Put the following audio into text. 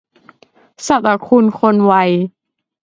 ศตคุณ คนไว